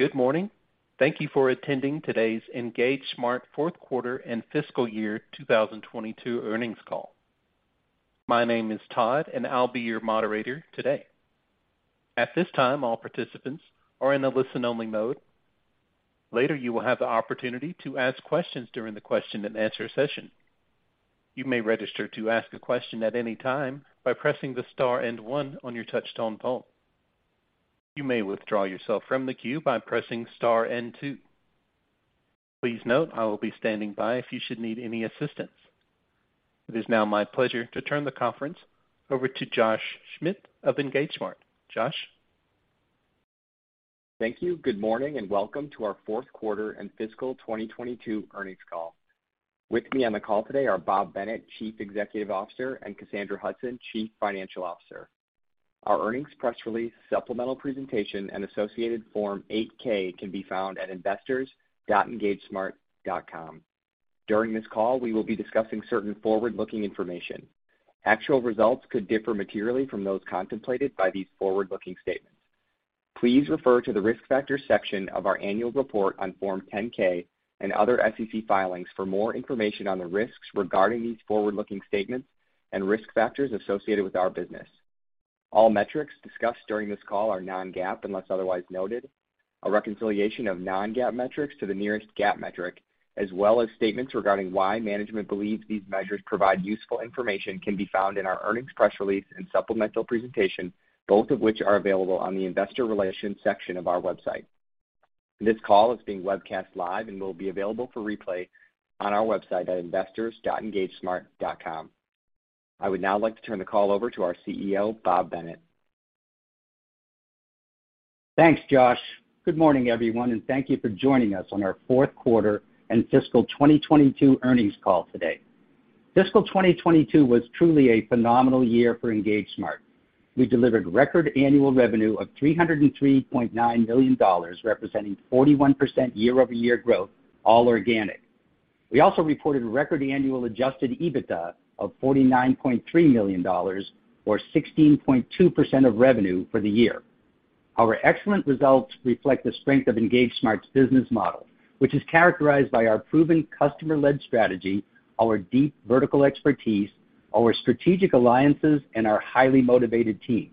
Good morning. Thank you for attending today's EngageSmart Fourth Quarter and Fiscal Year 2022 Earnings Call. My name is Todd, and I'll be your Moderator today. At this time, all participants are in a listen-only mode. Later, you will have the opportunity to ask questions during the question-and-answer session. You may register to ask a question at any time by pressing the star and one on your touchtone phone. You may withdraw yourself from the queue by pressing star and two. Please note I will be standing by if you should need any assistance. It is now my pleasure to turn the conference over to Josh Schmidt of EngageSmart. Josh? Thank you. Good morning, and welcome to our Fourth Quarter and Fiscal 2022 Earnings Call. With me on the call today are Bob Bennett, Chief Executive Officer, and Cassandra Hudson, Chief Financial Officer. Our earnings press release, supplemental presentation, and associated Form 8-K can be found at investors.engagesmart.com. During this call, we will be discussing certain forward-looking information. Actual results could differ materially from those contemplated by these forward-looking statements. Please refer to the Risk Factors section of our annual report on Form 10-K and other SEC filings for more information on the risks regarding these forward-looking statements and risk factors associated with our business. All metrics discussed during this call are non-GAAP, unless otherwise noted. A reconciliation of non-GAAP metrics to the nearest GAAP metric, as well as statements regarding why management believes these measures provide useful information, can be found in our earnings press release and supplemental presentation, both of which are available on the Investor Relations section of our website. This call is being webcast live and will be available for replay on our website at investors.engagesmart.com. I would now like to turn the call over to our CEO, Bob Bennett. Thanks, Josh. Good morning, everyone, and thank you for joining us on our fourth quarter and fiscal 2022 earnings call today. Fiscal 2022 was truly a phenomenal year for EngageSmart. We delivered record annual revenue of $303.9 million, representing 41% year-over-year growth, all organic. We also reported record annual Adjusted EBITDA of $49.3 million or 16.2% of revenue for the year. Our excellent results reflect the strength of EngageSmart's business model, which is characterized by our proven customer-led strategy, our deep vertical expertise, our strategic alliances, and our highly motivated team.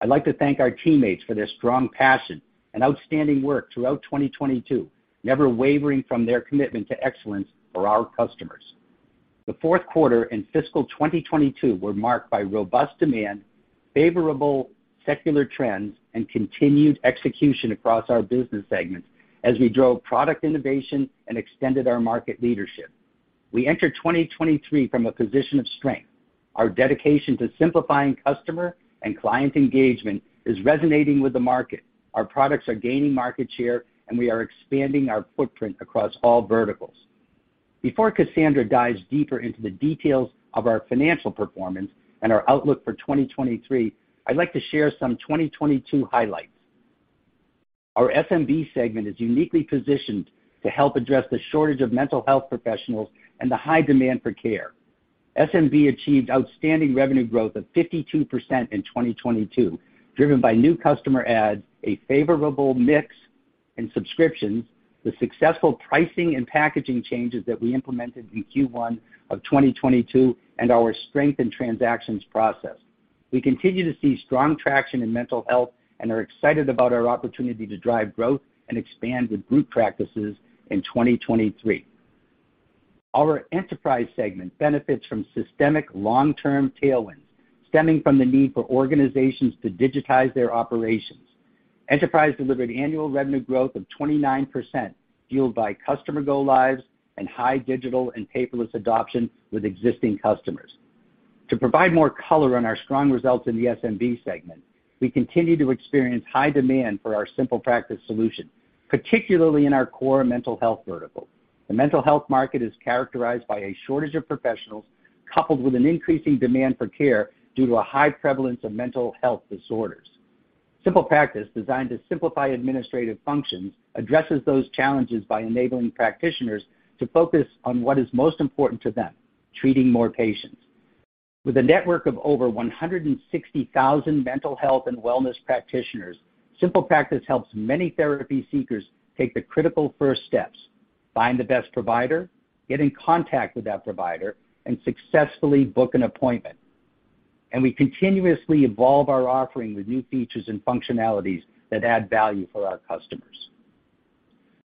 I'd like to thank our teammates for their strong passion and outstanding work throughout 2022, never wavering from their commitment to excellence for our customers. The fourth quarter and fiscal 2022 were marked by robust demand, favorable secular trends, and continued execution across our business segments as we drove product innovation and extended our market leadership. We enter 2023 from a position of strength. Our dedication to simplifying customer and client engagement is resonating with the market. Our products are gaining market share, and we are expanding our footprint across all verticals. Before Cassandra dives deeper into the details of our financial performance and our outlook for 2023, I'd like to share some 2022 highlights. Our SMB segment is uniquely positioned to help address the shortage of mental health professionals and the high demand for care. SMB achieved outstanding revenue growth of 52% in 2022, driven by new customer adds, a favorable mix in subscriptions, the successful pricing and packaging changes that we implemented in Q1 of 2022, and our strength in transactions processed. We continue to see strong traction in mental health and are excited about our opportunity to drive growth and expand with group practices in 2023. Our enterprise segment benefits from systemic long-term tailwinds stemming from the need for organizations to digitize their operations. Enterprise delivered annual revenue growth of 29%, fueled by customer go lives and high digital and paperless adoption with existing customers. To provide more color on our strong results in the SMB segment, we continue to experience high demand for our SimplePractice solution, particularly in our core mental health vertical. The mental health market is characterized by a shortage of professionals coupled with an increasing demand for care due to a high prevalence of mental health disorders. SimplePractice, designed to simplify administrative functions, addresses those challenges by enabling practitioners to focus on what is most important to them, treating more patients. With a network of over 160,000 mental health and wellness practitioners, SimplePractice helps many therapy seekers take the critical first steps, find the best provider, get in contact with that provider, and successfully book an appointment. We continuously evolve our offering with new features and functionalities that add value for our customers.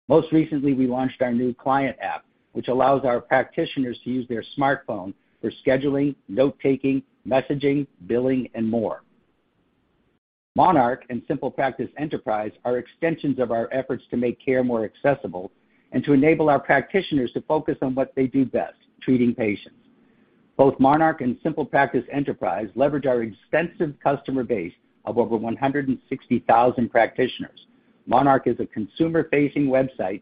Most recently, we launched our new client app, which allows our practitioners to use their smartphone for scheduling, note-taking, messaging, billing, and more. Monarch and SimplePractice Enterprise are extensions of our efforts to make care more accessible and to enable our practitioners to focus on what they do best, treating patients. Both Monarch and SimplePractice Enterprise leverage our extensive customer base of over 160,000 practitioners. Monarch is a consumer-facing website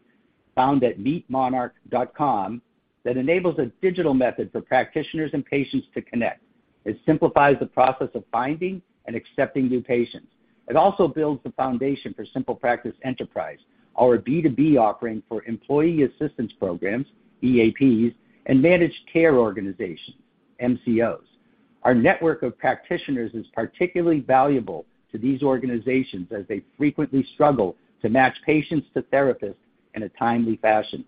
found at meetmonarch.com that enables a digital method for practitioners and patients to connect. It simplifies the process of finding and accepting new patients. It also builds the foundation for SimplePractice Enterprise, our B2B offering for Employee Assistance Programs, EAPs, and Managed Care Organizations, MCOs. Our network of practitioners is particularly valuable to these organizations as they frequently struggle to match patients to therapists in a timely fashion.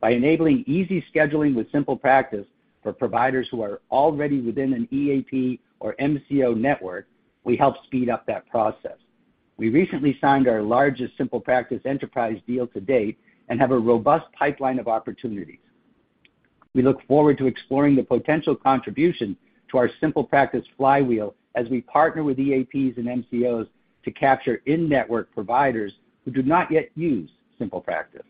By enabling easy scheduling with SimplePractice for providers who are already within an EAP or MCO network, we help speed up that process. We recently signed our largest SimplePractice Enterprise deal to date and have a robust pipeline of opportunities. We look forward to exploring the potential contribution to our SimplePractice flywheel as we partner with EAPs and MCOs to capture in-network providers who do not yet use SimplePractice.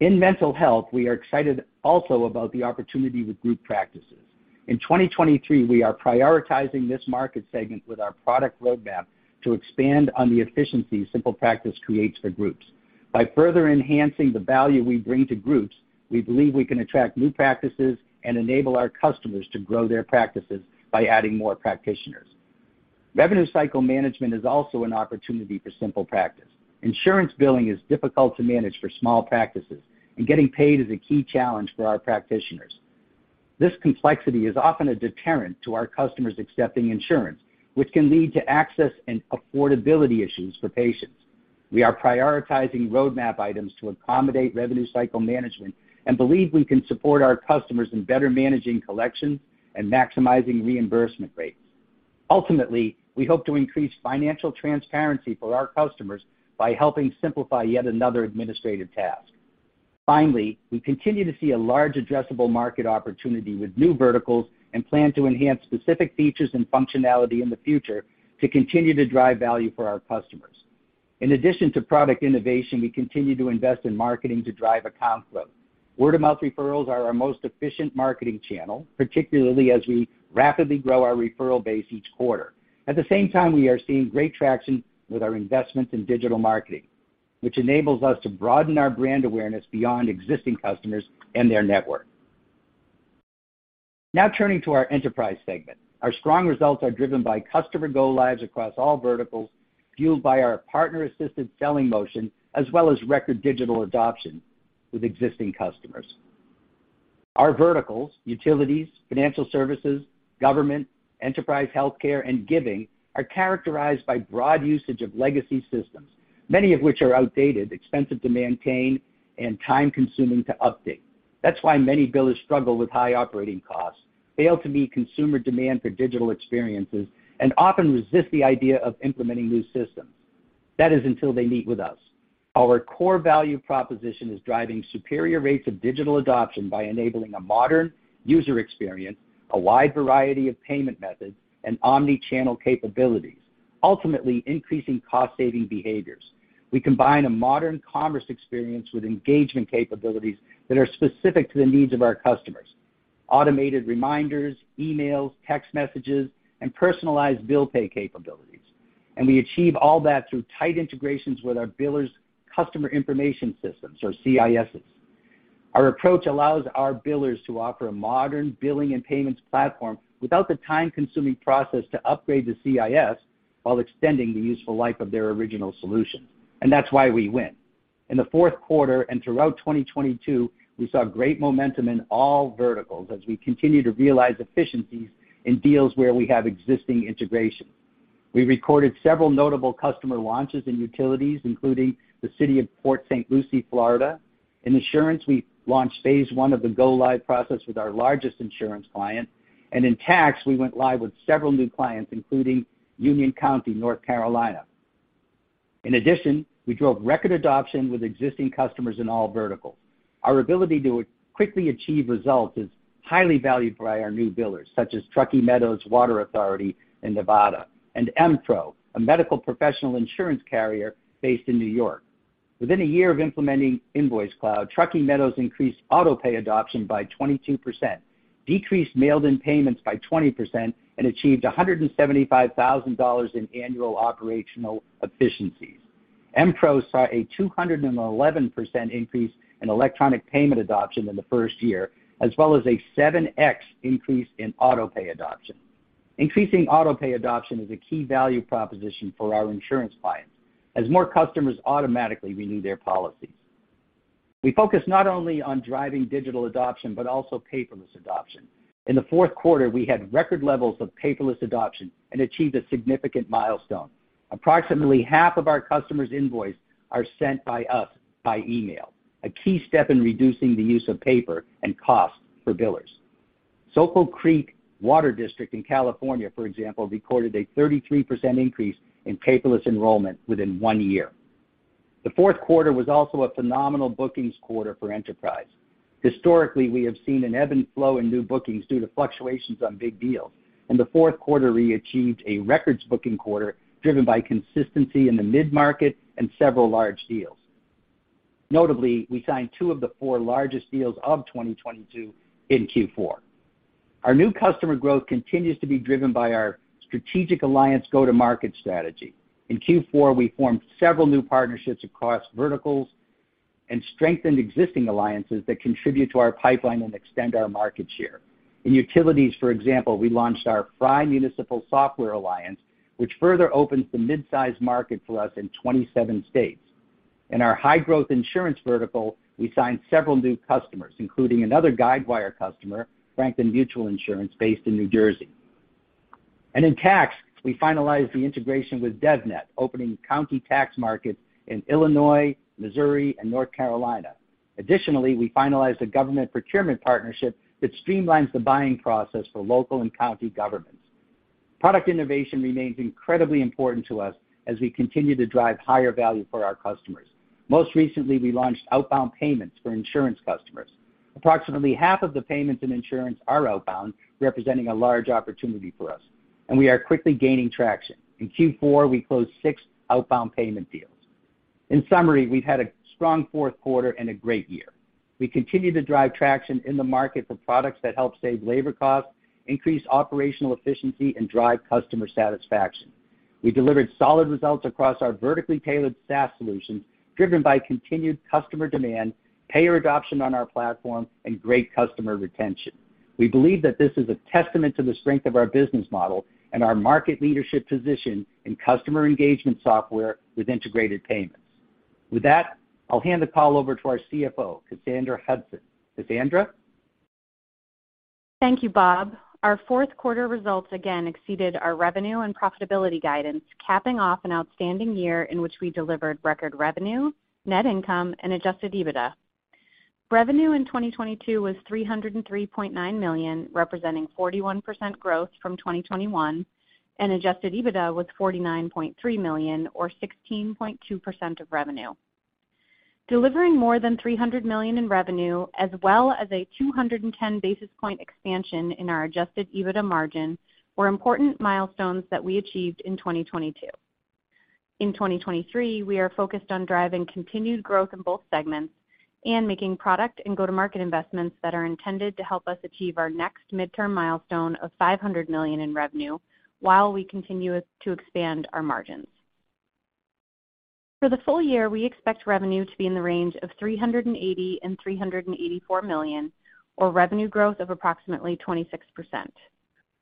In mental health, we are excited also about the opportunity with group practices. In 2023, we are prioritizing this market segment with our product roadmap to expand on the efficiency SimplePractice creates for groups. By further enhancing the value we bring to groups, we believe we can attract new practices and enable our customers to grow their practices by adding more practitioners. revenue cycle management is also an opportunity for SimplePractice. Insurance billing is difficult to manage for small practices, and getting paid is a key challenge for our practitioners. This complexity is often a deterrent to our customers accepting insurance, which can lead to access and affordability issues for patients. We are prioritizing roadmap items to accommodate revenue cycle management and believe we can support our customers in better managing collections and maximizing reimbursement rates. Ultimately, we hope to increase financial transparency for our customers by helping simplify yet another administrative task. Finally, we continue to see a large addressable market opportunity with new verticals and plan to enhance specific features and functionality in the future to continue to drive value for our customers. In addition to product innovation, we continue to invest in marketing to drive account growth. Word-of-mouth referrals are our most efficient marketing channel, particularly as we rapidly grow our referral base each quarter. At the same time, we are seeing great traction with our investments in digital marketing, which enables us to broaden our brand awareness beyond existing customers and their network. Now turning to our enterprise segment. Our strong results are driven by customer go lives across all verticals, fueled by our partner-assisted selling motion as well as record digital adoption with existing customers. Our verticals, utilities, financial services, government, enterprise healthcare, and giving, are characterized by broad usage of legacy systems, many of which are outdated, expensive to maintain, and time-consuming to update. That's why many billers struggle with high operating costs, fail to meet consumer demand for digital experiences, and often resist the idea of implementing new systems. That is until they meet with us. Our core value proposition is driving superior rates of digital adoption by enabling a modern user experience, a wide variety of payment methods, and omni-channel capabilities, ultimately increasing cost-saving behaviors. We combine a modern commerce experience with engagement capabilities that are specific to the needs of our customers. Automated reminders, emails, text messages, and personalized bill pay capabilities. We achieve all that through tight integrations with our billers customer information systems, or CISs. Our approach allows our billers to offer a modern billing and payments platform without the time-consuming process to upgrade the CIS while extending the useful life of their original solution. That's why we win. In the fourth quarter and throughout 2022, we saw great momentum in all verticals as we continue to realize efficiencies in deals where we have existing integrations. We recorded several notable customer launches in utilities, including the city of Port St. Lucie, Florida. In insurance, we launched phase I of the go-live process with our largest insurance client. In tax, we went live with several new clients, including Union County, North Carolina. In addition, we drove record adoption with existing customers in all verticals. Our ability to quickly achieve results is highly valued by our new billers, such as Truckee Meadows Water Authority in Nevada, and EmPRO, a medical professional insurance carrier based in New York. Within a year of implementing InvoiceCloud, Truckee Meadows increased auto-pay adoption by 22%, decreased mailed-in payments by 20%, and achieved $175,000 in annual operational efficiencies. EmPRO saw a 211% increase in electronic payment adoption in the first year, as well as a 7x increase in auto-pay adoption. Increasing auto-pay adoption is a key value proposition for our insurance clients as more customers automatically renew their policies. We focus not only on driving digital adoption, but also paperless adoption. In the fourth quarter, we had record levels of paperless adoption and achieved a significant milestone. Approximately half of our customers' invoice are sent by us by email, a key step in reducing the use of paper and cost for billers. Soquel Creek Water District in California, for example, recorded a 33% increase in paperless enrollment within one year. The fourth quarter was also a phenomenal bookings quarter for Enterprise. Historically, we have seen an ebb and flow in new bookings due to fluctuations on big deals. In the fourth quarter, we achieved a records booking quarter driven by consistency in the mid-market and several large deals. Notably, we signed two of the four largest deals of 2022 in Q4. Our new customer growth continues to be driven by our strategic alliance go-to-market strategy. In Q4, we formed several new partnerships across verticals and strengthened existing alliances that contribute to our pipeline and extend our market share. In utilities, for example, we launched our FREY Municipal Software Alliance, which further opens the midsize market for us in 27 states. In our high growth insurance vertical, we signed several new customers, including another Guidewire customer, Franklin Mutual Insurance, based in New Jersey. In tax, we finalized the integration with DEVNET, opening county tax markets in Illinois, Missouri and North Carolina. Additionally, we finalized a government procurement partnership that streamlines the buying process for local and county governments. Product innovation remains incredibly important to us as we continue to drive higher value for our customers. Most recently, we launched outbound payments for insurance customers. Approximately half of the payments in insurance are outbound, representing a large opportunity for us, and we are quickly gaining traction. In Q4, we closed six outbound payment deals. In summary, we've had a strong fourth quarter and a great year. We continue to drive traction in the market for products that help save labor costs, increase operational efficiency, and drive customer satisfaction. We delivered solid results across our vertically tailored SaaS solutions, driven by continued customer demand, payer adoption on our platform and great customer retention. We believe that this is a testament to the strength of our business model and our market leadership position in customer engagement software with integrated payments. With that, I'll hand the call over to our CFO, Cassandra Hudson. Cassandra? Thank you, Bob. Our fourth quarter results again exceeded our revenue and profitability guidance, capping off an outstanding year in which we delivered record revenue, net income and Adjusted EBITDA. Revenue in 2022 was $303.9 million, representing 41% growth from 2021, and Adjusted EBITDA was $49.3 million, or 16.2% of revenue. Delivering more than $300 million in revenue, as well as a 210 basis point expansion in our Adjusted EBITDA margin, were important milestones that we achieved in 2022. In 2023, we are focused on driving continued growth in both segments and making product and go-to-market investments that are intended to help us achieve our next midterm milestone of $500 million in revenue while we continue to expand our margins. For the full year, we expect revenue to be in the range of $380 million-$384 million, or revenue growth of approximately 26%.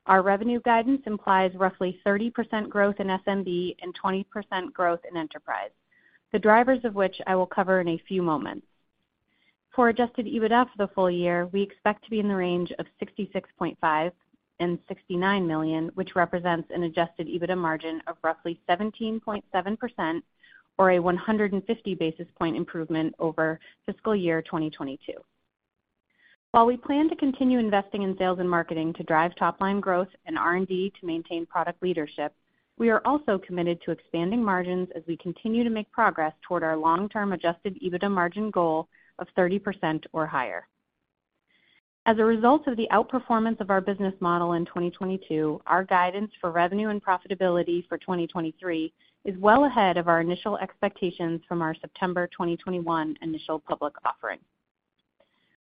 Our revenue guidance implies roughly 30% growth in SMB and 20% growth in Enterprise, the drivers of which I will cover in a few moments. For Adjusted EBITDA for the full year, we expect to be in the range of $66.5 million-$69 million, which represents an Adjusted EBITDA margin of roughly 17.7% or a 150 basis point improvement over fiscal year 2022. While we plan to continue investing in sales and marketing to drive top line growth and R&D to maintain product leadership, we are also committed to expanding margins as we continue to make progress toward our long-term Adjusted EBITDA margin goal of 30% or higher. As a result of the outperformance of our business model in 2022, our guidance for revenue and profitability for 2023 is well ahead of our initial expectations from our September 2021 initial public offering.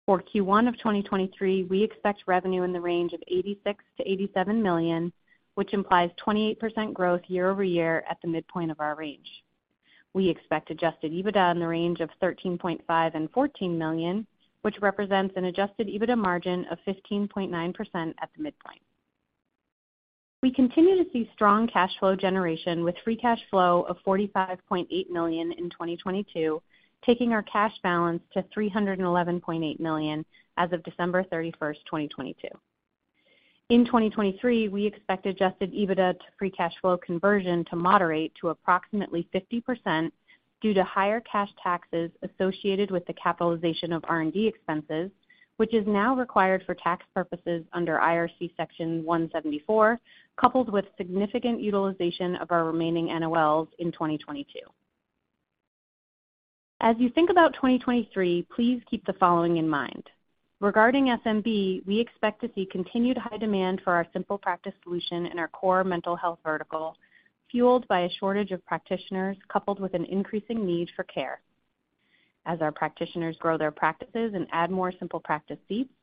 For Q1 of 2023, we expect revenue in the range of $86 million-$87 million, which implies 28% growth year-over-year at the midpoint of our range. We expect Adjusted EBITDA in the range of $13.5 million and $14 million, which represents an Adjusted EBITDA margin of 15.9% at the midpoint. We continue to see strong cash flow generation with free cash flow of $45.8 million in 2022, taking our cash balance to $311.8 million as of December 31st, 2022. In 2023, we expect Adjusted EBITDA to free cash flow conversion to moderate to approximately 50% due to higher cash taxes associated with the capitalization of R&D expenses, which is now required for tax purposes under IRC Section 174, coupled with significant utilization of our remaining NOLs in 2022. As you think about 2023, please keep the following in mind. Regarding SMB, we expect to see continued high demand for our SimplePractice solution in our core mental health vertical, fueled by a shortage of practitioners, coupled with an increasing need for care. As our practitioners grow their practices and add more SimplePractice seats,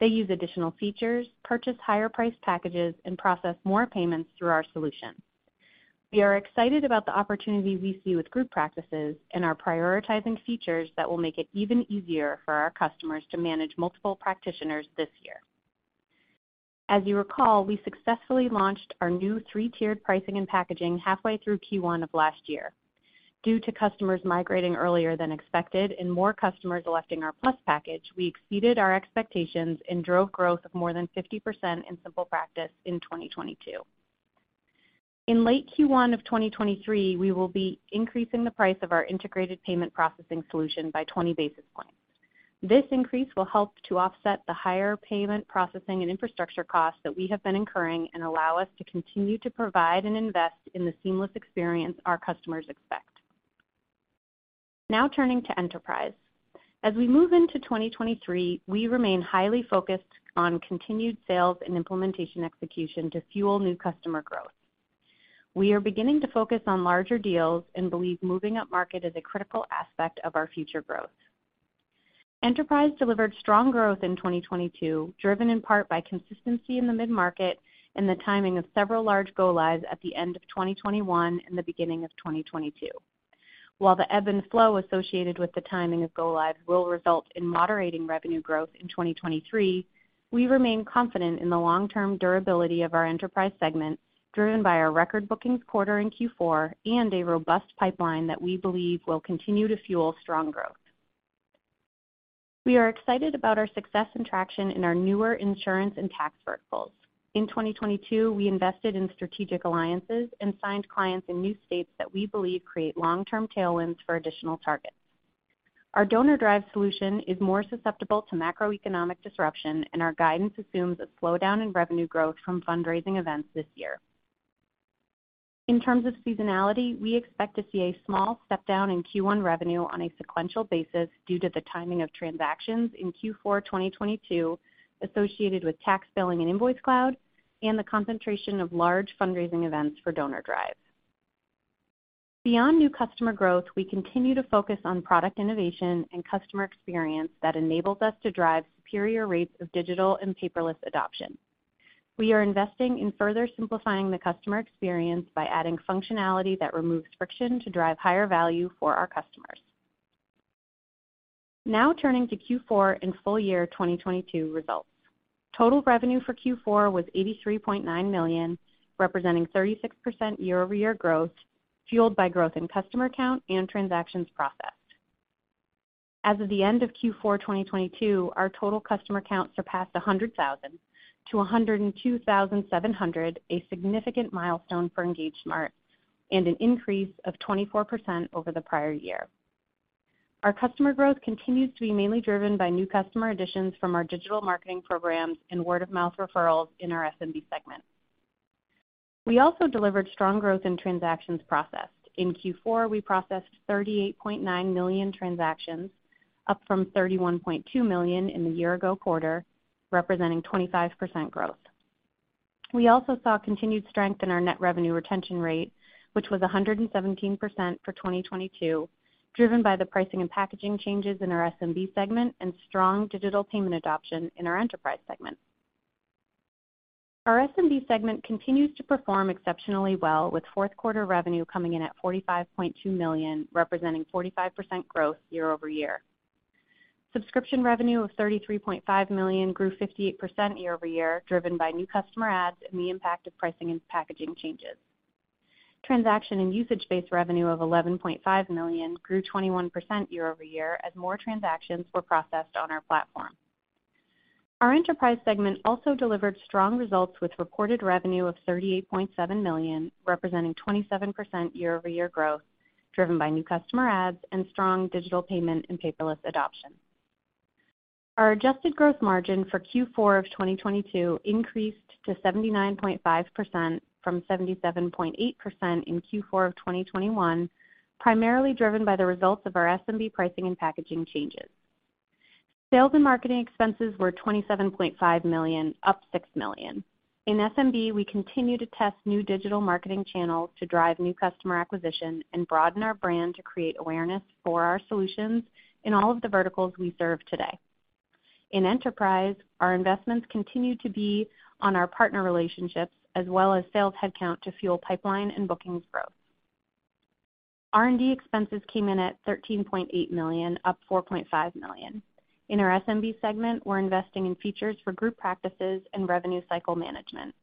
they use additional features, purchase higher priced packages and process more payments through our solution. We are excited about the opportunities we see with group practices and are prioritizing features that will make it even easier for our customers to manage multiple practitioners this year. As you recall, we successfully launched our new three-tiered pricing and packaging halfway through Q1 of last year. Due to customers migrating earlier than expected and more customers electing our Plus package, we exceeded our expectations and drove growth of more than 50% in SimplePractice in 2022. In late Q1 of 2023, we will be increasing the price of our integrated payment processing solution by 20 basis points. This increase will help to offset the higher payment processing and infrastructure costs that we have been incurring and allow us to continue to provide and invest in the seamless experience our customers expect. Turning to Enterprise. As we move into 2023, we remain highly focused on continued sales and implementation execution to fuel new customer growth. We are beginning to focus on larger deals and believe moving upmarket is a critical aspect of our future growth. Enterprise delivered strong growth in 2022, driven in part by consistency in the mid-market and the timing of several large go lives at the end of 2021 and the beginning of 2022. While the ebb and flow associated with the timing of go lives will result in moderating revenue growth in 2023, we remain confident in the long-term durability of our Enterprise segment, driven by our record bookings quarter in Q4 and a robust pipeline that we believe will continue to fuel strong growth. We are excited about our success and traction in our newer insurance and tax verticals. In 2022, we invested in strategic alliances and signed clients in new states that we believe create long-term tailwinds for additional targets. Our DonorDrive solution is more susceptible to macroeconomic disruption, and our guidance assumes a slowdown in revenue growth from fundraising events this year. In terms of seasonality, we expect to see a small step down in Q1 revenue on a sequential basis due to the timing of transactions in Q4 2022 associated with tax billing and InvoiceCloud and the concentration of large fundraising events for DonorDrive. Beyond new customer growth, we continue to focus on product innovation and customer experience that enables us to drive superior rates of digital and paperless adoption. We are investing in further simplifying the customer experience by adding functionality that removes friction to drive higher value for our customers. Now turning to Q4 and full year 2022 results. Total revenue for Q4 was $83.9 million, representing 36% year-over-year growth, fueled by growth in customer count and transactions processed. As of the end of Q4 2022, our total customer count surpassed 100,000 to 102,700, a significant milestone for EngageSmart and an increase of 24% over the prior year. Our customer growth continues to be mainly driven by new customer additions from our digital marketing programs and word-of-mouth referrals in our SMB segment. We also delivered strong growth in transactions processed. In Q4, we processed 38.9 million transactions, up from 31.2 million in the year ago quarter, representing 25% growth. We also saw continued strength in our net revenue retention rate, which was 117% for 2022, driven by the pricing and packaging changes in our SMB segment and strong digital payment adoption in our enterprise segment. Our SMB segment continues to perform exceptionally well with fourth quarter revenue coming in at $45.2 million, representing 45% growth year-over-year. Subscription revenue of $33.5 million grew 58% year-over-year, driven by new customer adds and the impact of pricing and packaging changes. Transaction and usage-based revenue of $11.5 million grew 21% year-over-year as more transactions were processed on our platform. Our enterprise segment also delivered strong results with reported revenue of $38.7 million, representing 27% year-over-year growth, driven by new customer adds and strong digital payment and paperless adoption. Our adjusted gross margin for Q4 of 2022 increased to 79.5% from 77.8% in Q4 of 2021, primarily driven by the results of our SMB pricing and packaging changes. Sales and marketing expenses were $27.5 million, up $6 million. In SMB, we continue to test new digital marketing channels to drive new customer acquisition and broaden our brand to create awareness for our solutions in all of the verticals we serve today. In enterprise, our investments continue to be on our partner relationships as well as sales headcount to fuel pipeline and bookings growth. R&D expenses came in at $13.8 million, up $4.5 million. In our SMB segment, we're investing in features for group practices and revenue cycle management.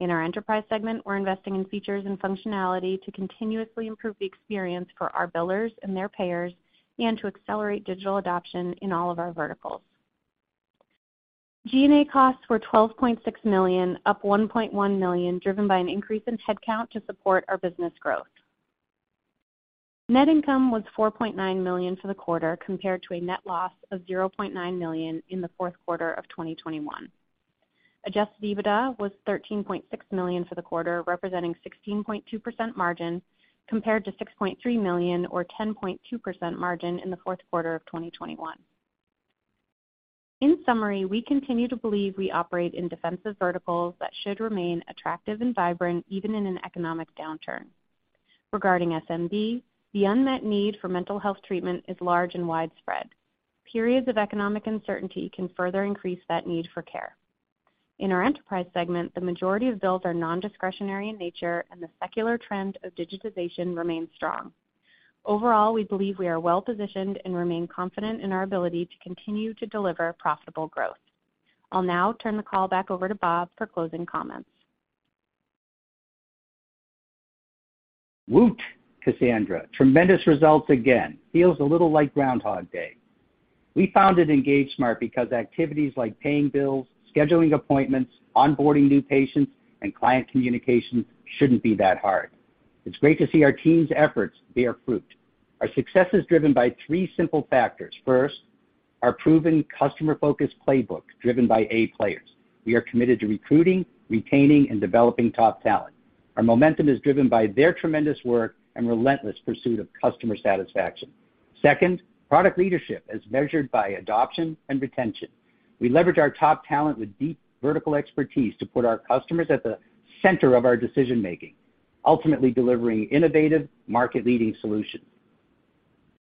In our enterprise segment, we're investing in features and functionality to continuously improve the experience for our billers and their payers and to accelerate digital adoption in all of our verticals. G&A costs were $12.6 million, up $1.1 million, driven by an increase in headcount to support our business growth. Net income was $4.9 million for the quarter compared to a net loss of $0.9 million in the fourth quarter of 2021. Adjusted EBITDA was $13.6 million for the quarter, representing 16.2% margin compared to $6.3 million or 10.2% margin in the fourth quarter of 2021. In summary, we continue to believe we operate in defensive verticals that should remain attractive and vibrant even in an economic downturn. Regarding SMB, the unmet need for mental health treatment is large and widespread. Periods of economic uncertainty can further increase that need for care. In our enterprise segment, the majority of bills are non-discretionary in nature, and the secular trend of digitization remains strong. Overall, we believe we are well-positioned and remain confident in our ability to continue to deliver profitable growth. I'll now turn the call back over to Bob for closing comments. Woot, Cassandra. Tremendous results again. Feels a little like Groundhog Day. We founded EngageSmart because activities like paying bills, scheduling appointments, onboarding new patients, and client communication shouldn't be that hard. It's great to see our team's efforts bear fruit. Our success is driven by three simple factors. First, our proven customer-focused playbook driven by A players. We are committed to recruiting, retaining, and developing top talent. Our momentum is driven by their tremendous work and relentless pursuit of customer satisfaction. Second, product leadership as measured by adoption and retention. We leverage our top talent with deep vertical expertise to put our customers at the center of our decision-making, ultimately delivering innovative market-leading solutions.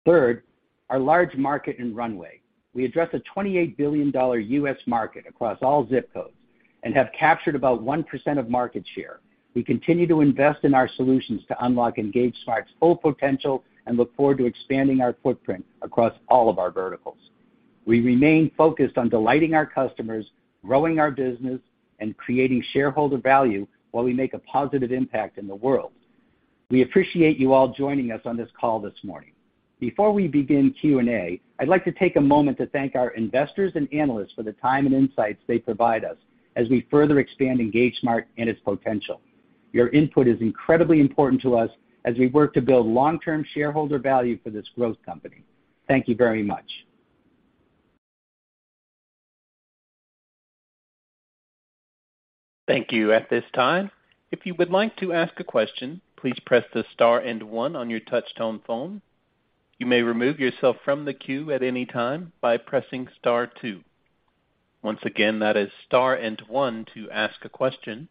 Third, our large market and runway. We address a $28 billion U.S. market across all zip codes and have captured about 1% of market share. We continue to invest in our solutions to unlock EngageSmart's full potential and look forward to expanding our footprint across all of our verticals. We remain focused on delighting our customers, growing our business, and creating shareholder value while we make a positive impact in the world. We appreciate you all joining us on this call this morning. Before we begin Q&A, I'd like to take a moment to thank our investors and analysts for the time and insights they provide us as we further expand EngageSmart and its potential. Your input is incredibly important to us as we work to build long-term shareholder value for this growth company. Thank you very much. Thank you. At this time, if you would like to ask a question, please press the star and one on your touch-tone phone. You may remove yourself from the queue at any time by pressing star two. Once again, that is star and one to ask a question.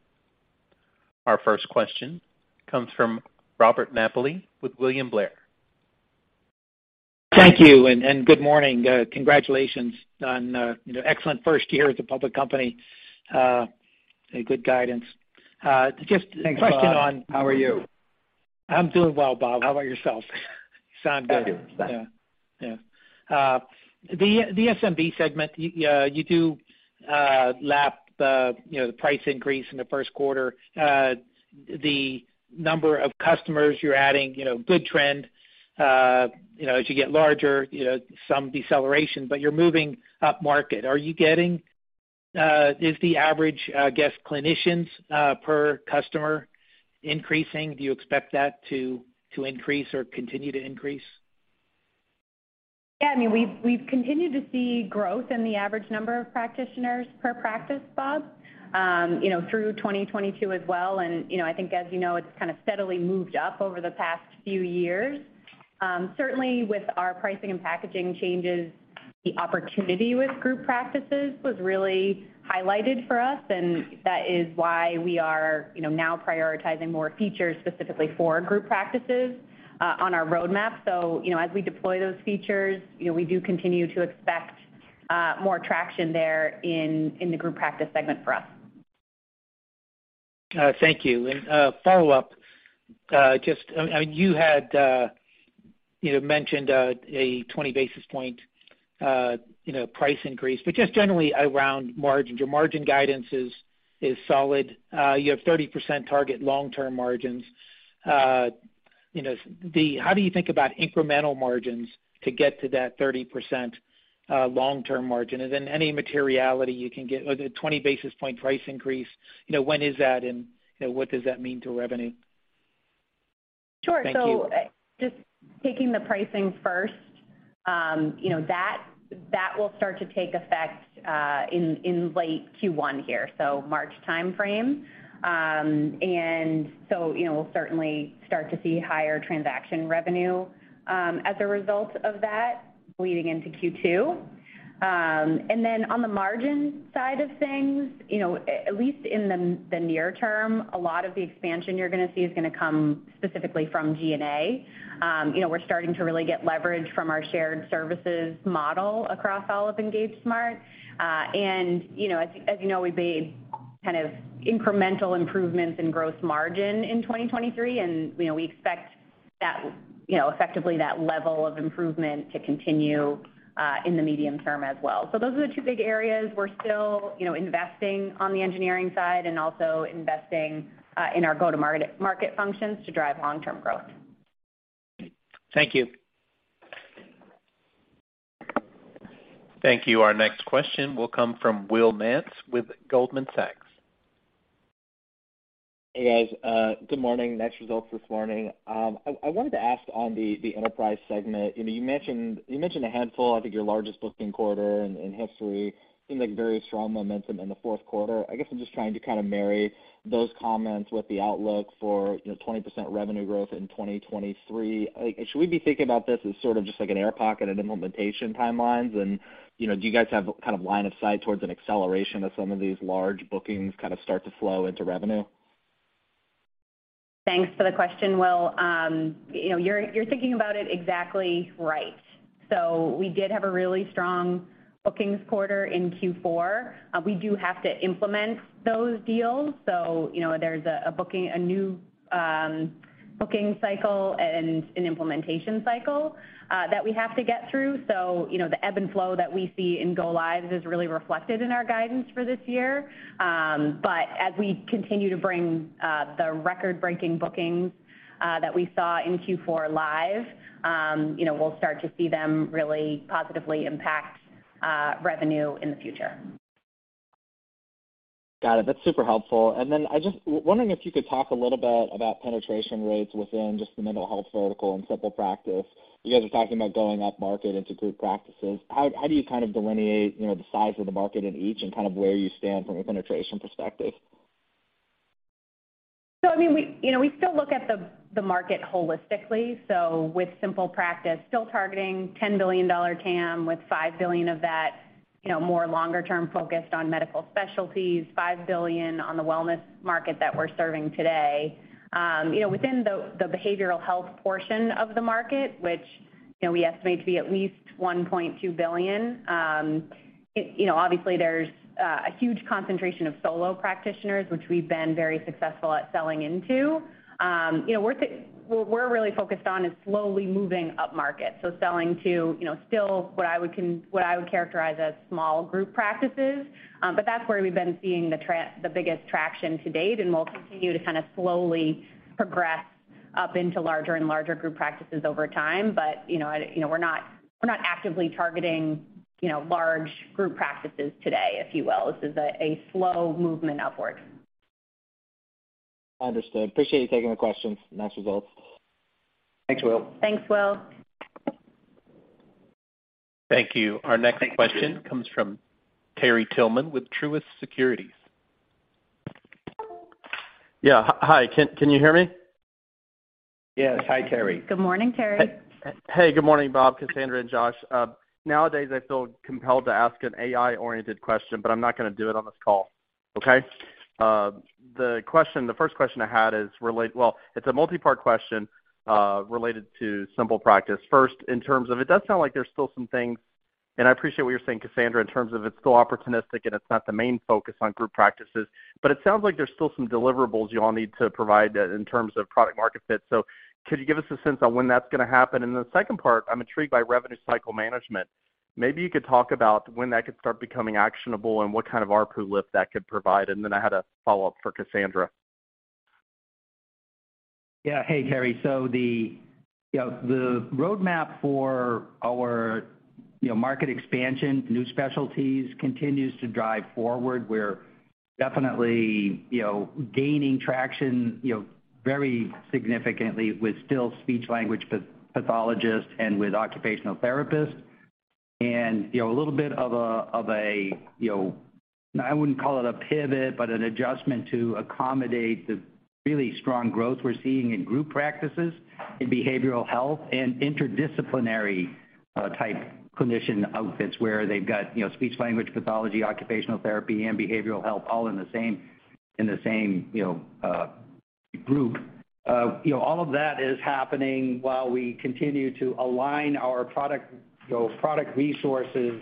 Our first question comes from Robert Napoli with William Blair. Thank you, and good morning. Congratulations on, you know, excellent first year as a public company. A good guidance. Thanks, Bob. How are you? I'm doing well, Bob. How about yourself? You sound good. Thank you. Yeah. Yeah. The SMB segment, you do lap, you know, the price increase in the first quarter. The number of customers you're adding, you know, good trend. You know, as you get larger, you know, some deceleration, but you're moving upmarket. Is the average guest clinicians per customer increasing? Do you expect that to increase or continue to increase? Yeah, I mean, we've continued to see growth in the average number of practitioners per practice, Bob, you know, through 2022 as well. You know, I think as you know, it's kind of steadily moved up over the past few years. Certainly with our pricing and packaging changes, the opportunity with group practices was really highlighted for us, and that is why we are, you know, now prioritizing more features specifically for group practices, on our roadmap. You know, as we deploy those features, you know, we do continue to expect more traction there in the group practice segment for us. Thank you. Follow-up, I mean, you had, you know, mentioned a 20 basis point, you know, price increase, but just generally around margins. Your margin guidance is solid. You have 30% target long-term margins. You know, how do you think about incremental margins to get to that 30%, long-term margin? Then any materiality you can get with a 20 basis point price increase, you know, when is that and, you know, what does that mean to revenue? Sure. Thank you. Just taking the pricing first, you know, that will start to take effect in late Q1 here, so March timeframe. You know, we'll certainly start to see higher transaction revenue as a result of that leading into Q2. Then on the margin side of things, you know, at least in the near term, a lot of the expansion you're gonna see is gonna come specifically from G&A. You know, we're starting to really get leverage from our shared services model across all of EngageSmart. You know, as you know, we made kind of incremental improvements in gross margin in 2023, and, you know, we expect that, you know, effectively that level of improvement to continue in the medium term as well. Those are the two big areas. We're still, you know, investing on the engineering side and also investing in our go-to-market, market functions to drive long-term growth. Thank you. Thank you. Our next question will come from Will Nance with Goldman Sachs. Hey, guys. Good morning. Next results this morning. I wanted to ask on the enterprise segment. You know, you mentioned a handful, I think your largest booking quarter in history, seemed like very strong momentum in the fourth quarter. I guess I'm just trying to kind of marry those comments with the outlook for, you know, 20% revenue growth in 2023. Like, should we be thinking about this as sort of just like an air pocket and implementation timelines? You know, do you guys have kind of line of sight towards an acceleration of some of these large bookings kind of start to flow into revenue? Thanks for the question, Will. You know, you're thinking about it exactly right. We did have a really strong bookings quarter in Q4. We do have to implement those deals. You know, there's a booking, a new booking cycle and an implementation cycle that we have to get through. You know, the ebb and flow that we see in go lives is really reflected in our guidance for this year. As we continue to bring the record-breaking bookings that we saw in Q4 live, you know, we'll start to see them really positively impact revenue in the future. Got it. That's super helpful. Then I just wondering if you could talk a little bit about penetration rates within just the mental health vertical and SimplePractice? You guys are talking about going upmarket into group practices. How do you kind of delineate, you know, the size of the market in each and kind of where you stand from a penetration perspective? I mean, we, you know, we still look at the market holistically. With SimplePractice, still targeting $10 billion TAM with $5 billion of that, you know, more longer term focused on medical specialties, $5 billion on the wellness market that we're serving today. You know, within the behavioral health portion of the market, which, you know, we estimate to be at least $1.2 billion, it, you know, obviously there's a huge concentration of solo practitioners, which we've been very successful at selling into. You know, we're really focused on is slowly moving upmarket. Selling to, you know, still what I would characterize as small group practices. That's where we've been seeing the biggest traction to date, and we'll continue to kind of slowly progress up into larger and larger group practices over time, but, you know, you know, we're not, we're not actively targeting, you know, large group practices today, if you will. This is a slow movement upwards. Understood. Appreciate you taking the questions. Nice results. Thanks, Will. Thanks, Will. Thank you. Our next question comes from Terry Tillman with Truist Securities. Yeah. Hi, can you hear me? Yes. Hi, Terry. Good morning, Terry. Hey, good morning, Bob, Cassandra, and Josh. Nowadays, I feel compelled to ask an AI-oriented question, but I'm not gonna do it on this call, okay? The first question I had is Well, it's a multipart question related to SimplePractice. First, in terms of it does sound like there's still some things, and I appreciate what you're saying, Cassandra, in terms of it's still opportunistic and it's not the main focus on group practices, but it sounds like there's still some deliverables you all need to provide in terms of product market fit. Could you give us a sense on when that's gonna happen? The second part, I'm intrigued by revenue cycle management. Maybe you could talk about when that could start becoming actionable and what kind of ARPU lift that could provide. I had a follow-up for Cassandra. Hey, Terry. The, you know, the roadmap for our, you know, market expansion, new specialties continues to drive forward. We're definitely, you know, gaining traction, you know, very significantly with still speech-language pathologists and with occupational therapists. You know, a little bit of a, of a, you know, I wouldn't call it a pivot, but an adjustment to accommodate the really strong growth we're seeing in group practices in behavioral health and interdisciplinary type clinician outfits where they've got, you know, speech-language pathology, occupational therapy, and behavioral health all in the same, you know, group. You know, all of that is happening while we continue to align our product, you know, product resources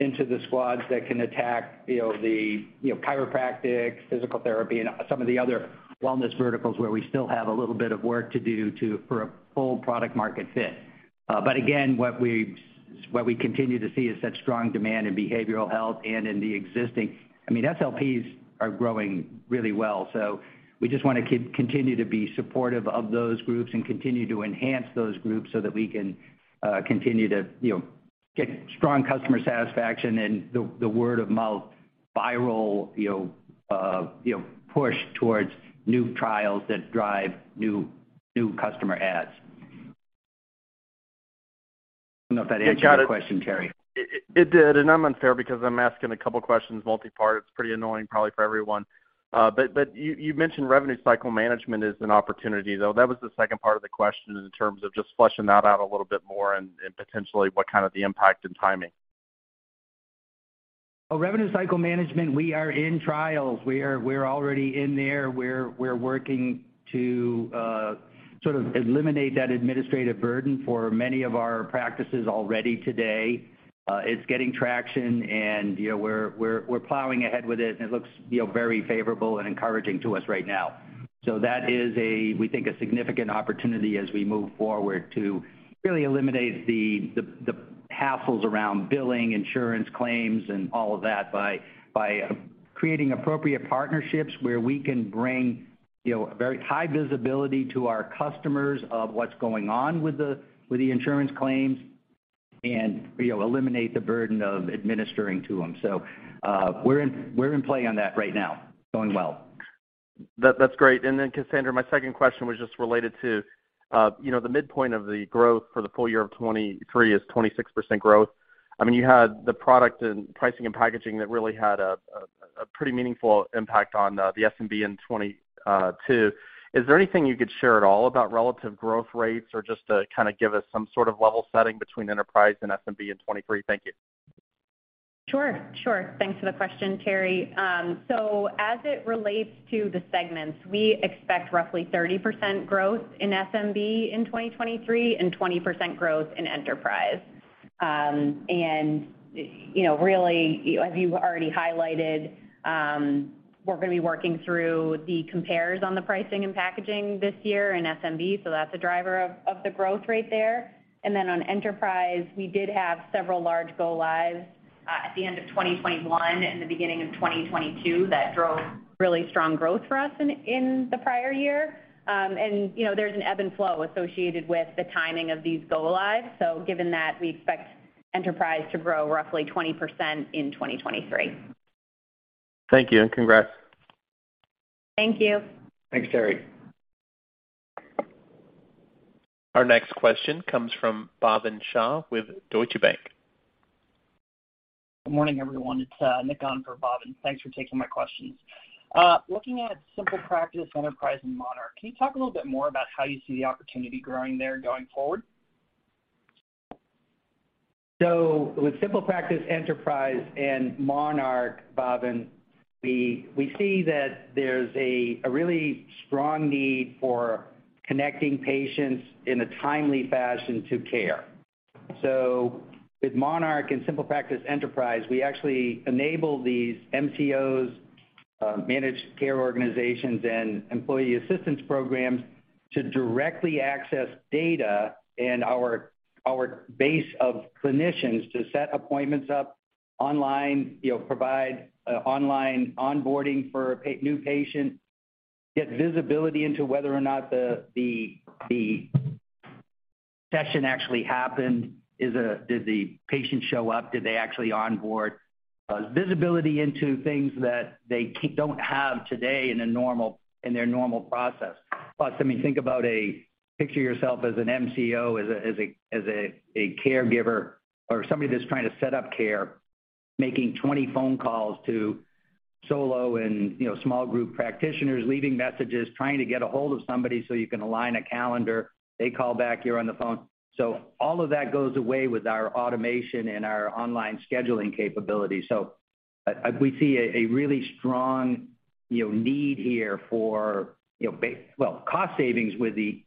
into the squads that can attack, you know, the, you know, chiropractic, physical therapy, and some of the other wellness verticals where we still have a little bit of work to do for a full product market fit. Again, what we continue to see is such strong demand in behavioral health and in the existing... I mean, SLPs are growing really well, so we just wanna continue to be supportive of those groups and continue to enhance those groups so that we can, you know, continue to, you know, get strong customer satisfaction and the word of mouth viral, you know, push towards new trials that drive new customer adds. Don't know if that answered your question, Terry. It did. I'm unfair because I'm asking a couple questions multipart. It's pretty annoying probably for everyone. But you mentioned revenue cycle management as an opportunity, though. That was the second part of the question in terms of just fleshing that out a little bit more and potentially what kind of the impact and timing. Revenue cycle management, we are in trials. We're already in there. We're working to sort of eliminate that administrative burden for many of our practices already today. It's getting traction and, you know, we're plowing ahead with it and it looks, you know, very favorable and encouraging to us right now. That is a, we think, a significant opportunity as we move forward to really eliminate the hassles around billing, insurance claims, and all of that by creating appropriate partnerships where we can bring, you know, very high visibility to our customers of what's going on with the insurance claims and, you know, eliminate the burden of administering to them. We're in play on that right now. It's going well. That's great. Cassandra, my second question was just related to, you know, the midpoint of the growth for the full year of 2023 is 26% growth. I mean, you had the product and pricing and packaging that really had a pretty meaningful impact on the SMB in 2022. Is there anything you could share at all about relative growth rates or just to kind of give us some sort of level setting between enterprise and SMB in 2023? Thank you. Sure. Sure. Thanks for the question, Terry. As it relates to the segments, we expect roughly 30% growth in SMB in 2023 and 20% growth in enterprise. You know, really, as you already highlighted, we're gonna be working through the compares on the pricing and packaging this year in SMB, that's a driver of the growth rate there. Then on enterprise, we did have several large go lives, at the end of 2021 and the beginning of 2022 that drove really strong growth for us in the prior year. You know, there's an ebb and flow associated with the timing of these go lives. Given that, we expect enterprise to grow roughly 20% in 2023. Thank you, and congrats. Thank you. Thanks, Terry. Our next question comes from Bhavin Shah with Deutsche Bank. Good morning, everyone. It's, Nick on for Bhavin. Thanks for taking my questions. Looking at SimplePractice Enterprise and Monarch, can you talk a little bit more about how you see the opportunity growing there going forward? With SimplePractice Enterprise and Monarch, Nick, we see that there's a really strong need for connecting patients in a timely fashion to care. With Monarch and SimplePractice Enterprise, we actually enable these MCOs, Managed Care Organizations and Employee Assistance Programs to directly access data and our base of clinicians to set appointments up-Online, you know, provide online onboarding for new patients, get visibility into whether or not the session actually happened. Did the patient show up? Did they actually onboard? Visibility into things that they don't have today in their normal process. Plus, I mean, think about a... Picture yourself as an MCO, as a caregiver or somebody that's trying to set up care, making 20 phone calls to solo and, you know, small group practitioners, leaving messages, trying to get a hold of somebody so you can align a calendar. They call back, you're on the phone. All of that goes away with our automation and our online scheduling capabilities. We see a really strong, you know, need here for, you know, well, cost savings with the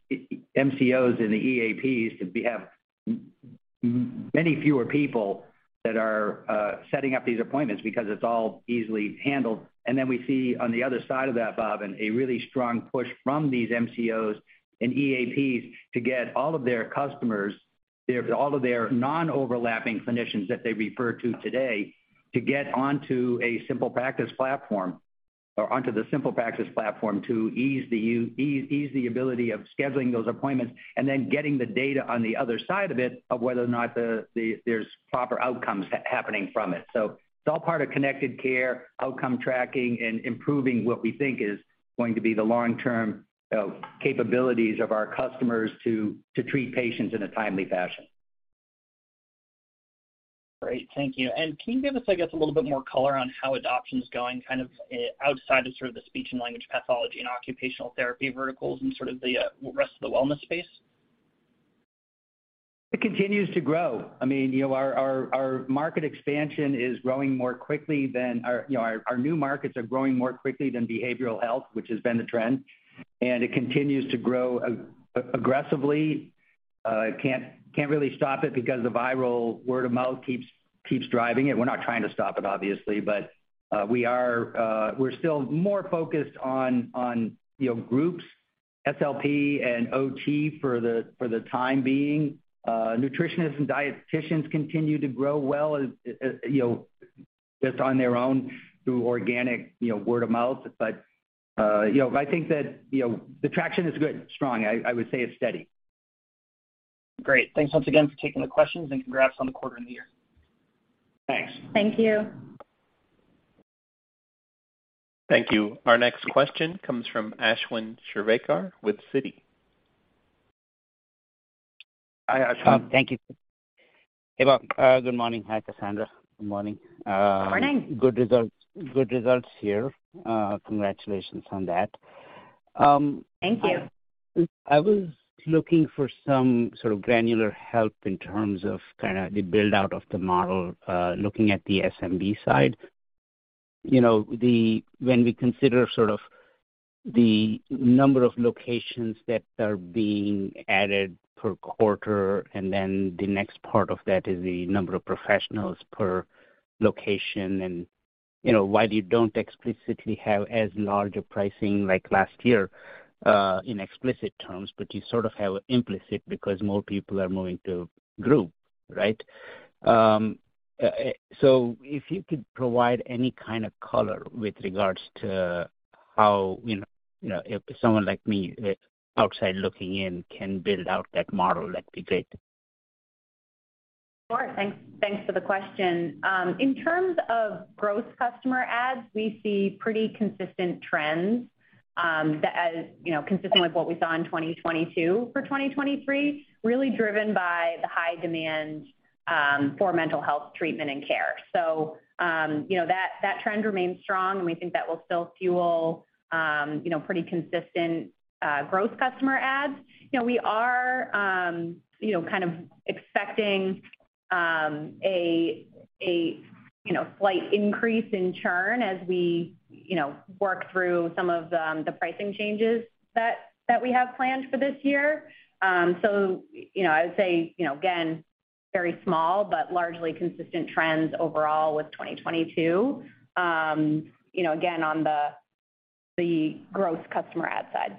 MCOs and the EAPs to be, have many fewer people that are setting up these appointments because it's all easily handled. We see on the other side of that, Nick, a really strong push from these MCOs and EAPs to get all of their customers, all of their non-overlapping clinicians that they refer to today to get onto a SimplePractice platform or onto the SimplePractice platform to ease the ability of scheduling those appointments and then getting the data on the other side of it of whether or not there's proper outcomes happening from it. It's all part of connected care, outcome tracking, and improving what we think is going to be the long-term capabilities of our customers to treat patients in a timely fashion. Great. Thank you. Can you give us, I guess, a little bit more color on how adoption is going kind of outside of sort of the speech and language pathology and occupational therapy verticals and sort of the rest of the wellness space? It continues to grow. I mean, you know, our market expansion is growing more quickly than our new markets are growing more quickly than behavioral health, which has been the trend, and it continues to grow aggressively. can't really stop it because the viral word of mouth keeps driving it. We're not trying to stop it, obviously. We are, we're still more focused on, you know, groups, SLP and OT for the time being. Nutritionists and dietitians continue to grow well, you know, just on their own through organic, you know, word of mouth. you know, I think that, you know, the traction is good, strong. I would say it's steady. Great. Thanks once again for taking the questions, and congrats on the quarter and the year. Thanks. Thank you. Thank you. Our next question comes from Ashwin Shirvaikar with Citi. Hi, Ashwin. Thank you. Hey, Bob. Good morning. Hi, Cassandra. Good morning. Good results here. Congratulations on that. I was looking for some sort of granular help in terms of kinda the build-out of the model, looking at the SMB side. You know, when we consider sort of the number of locations that are being added per quarter, and then the next part of that is the number of professionals per location and, you know, why you don't explicitly have as large a pricing like last year, in explicit terms, but you sort of have implicit because more people are moving to group, right? So if you could provide any kind of color with regards to how, you know, if someone like me outside looking in can build out that model, that'd be great. Of course. Thanks, thanks for the question. In terms of growth customer adds, we see pretty consistent trends that as, you know, consistent with what we saw in 2022 for 2023, really driven by the high demand for mental health treatment and care. You know, that trend remains strong, and we think that will still fuel, you know, pretty consistent growth customer adds. You know, we are, you know, kind of expecting a slight increase in churn as we, you know, work through some of the pricing changes that we have planned for this year. You know, I would say, you know, again, very small but largely consistent trends overall with 2022, you know, again, on the growth customer add side.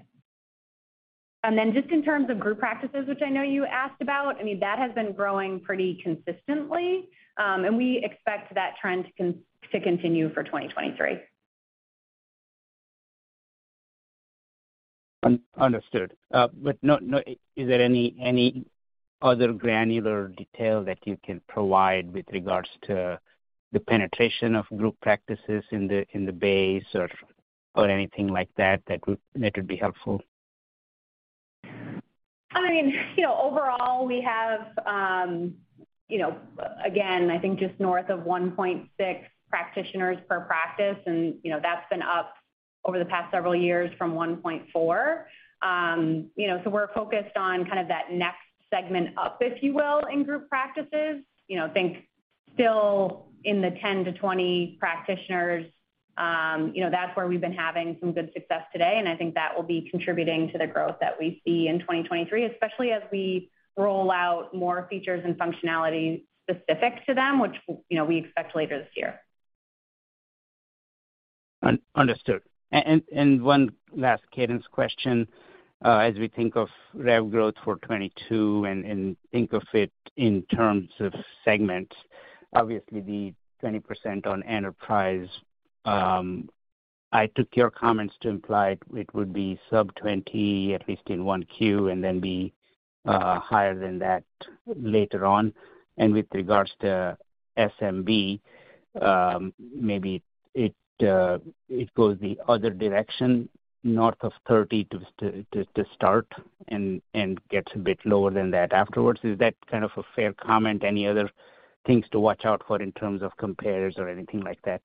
Just in terms of group practices, which I know you asked about, I mean, that has been growing pretty consistently, and we expect that trend to continue for 2023. Understood. No, is there any other granular detail that you can provide with regards to the penetration of group practices in the base or anything like that would be helpful? I mean, you know, overall, we have, you know, again, I think just north of 1.6 practitioners per practice, and, you know, that's been up over the past several years from 1.4. You know, so we're focused on kind of that next segment up, if you will, in group practices. You know, think still in the 10 to 20 practitioners, you know, that's where we've been having some good success today. I think that will be contributing to the growth that we see in 2023, especially as we roll out more features and functionality specific to them, which you know, we expect later this year. One last cadence question. As we think of rev growth for 2022 and think of it in terms of segments, obviously the 20% on enterprise, I took your comments to imply it would be sub-20, at least in 1Q, and then be higher than that later on. With regards to SMB, maybe it goes the other direction, north of 30 to start and gets a bit lower than that afterwards. Is that kind of a fair comment? Any other things to watch out for in terms of compares or anything like that?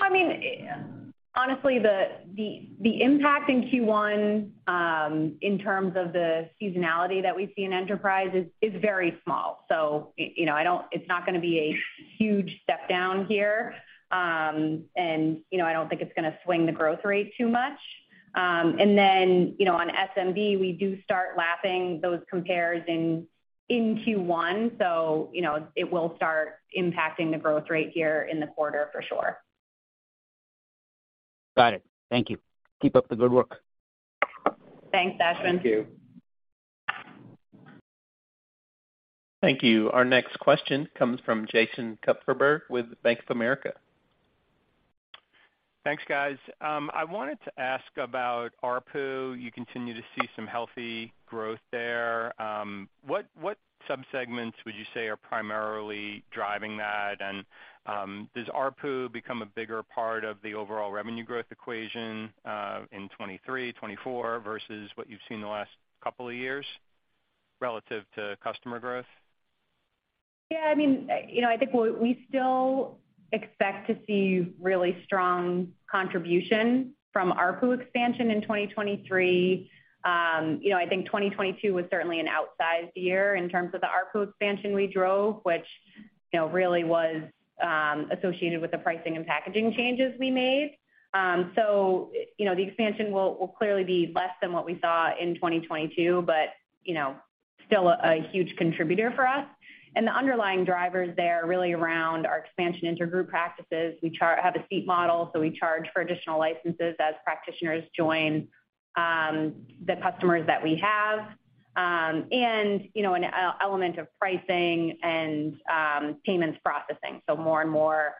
No, I mean, honestly, the impact in Q1 in terms of the seasonality that we see in enterprise is very small. You know, it's not gonna be a huge step down here. You know, on SMB, we do start lapping those compares in Q1, you know, it will start impacting the growth rate here in the quarter for sure. Got it. Thank you. Keep up the good work. Thanks, Ashwin. Thank you. Thank you. Our next question comes from Jason Kupferberg with Bank of America. Thanks, guys. I wanted to ask about ARPU. You continue to see some healthy growth there. What subsegments would you say are primarily driving that? Does ARPU become a bigger part of the overall revenue growth equation in 2023, 2024 versus what you've seen the last couple of years relative to customer growth? I mean, you know, I think we still expect to see really strong contribution from ARPU expansion in 2023. You know, I think 2022 was certainly an outsized year in terms of the ARPU expansion we drove, which, you know, really was associated with the pricing and packaging changes we made. You know, the expansion will clearly be less than what we saw in 2022, but, you know, still a huge contributor for us. The underlying drivers there are really around our expansion into group practices. We have a seat model, so we charge for additional licenses as practitioners join the customers that we have. You know, an e-element of pricing and payments processing, so more and more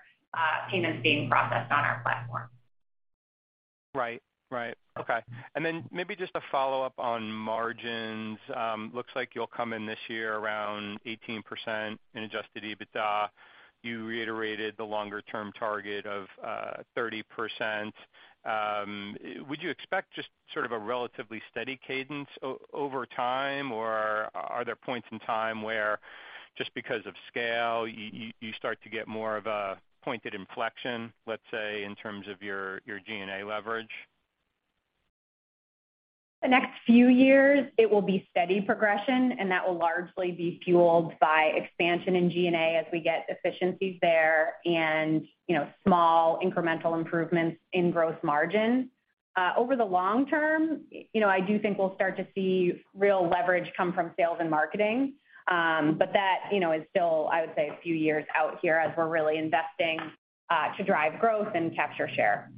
payments being processed on our platform. Right. Right. Okay. Maybe just a follow-up on margins. Looks like you'll come in this year around 18% in Adjusted EBITDA. You reiterated the longer-term target of 30%. Would you expect just sort of a relatively steady cadence over time, or are there points in time where just because of scale, you, you start to get more of a pointed inflection, let's say, in terms of your G&A leverage? The next few years it will be steady progression. That will largely be fueled by expansion in G&A as we get efficiencies there and, you know, small incremental improvements in gross margin. Over the long term, you know, I do think we'll start to see real leverage come from sales and marketing. That, you know, is still, I would say, a few years out here as we're really investing to drive growth and capture share.